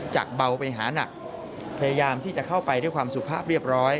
เบาไปหานักพยายามที่จะเข้าไปด้วยความสุภาพเรียบร้อย